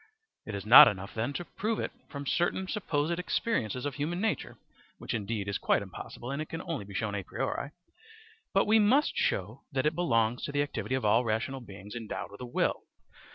It is not enough, then, to prove it from certain supposed experiences of human nature (which indeed is quite impossible, and it can only be shown a priori), but we must show that it belongs to the activity of all rational beings endowed with a will.